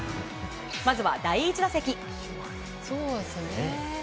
まずは第１打席。